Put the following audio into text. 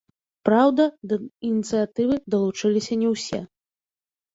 Праўда, да ініцыятывы далучыліся не ўсе.